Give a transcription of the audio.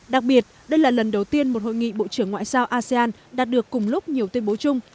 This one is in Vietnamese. đặc biệt đây là lần đầu tiên một hội nghị bộ trưởng ngoại giao asean đạt được cùng lúc nhiều tuyên bố chung